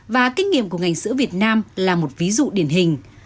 và kinh nghiệm của ngành sữa việt nam là một ví dụ điển hình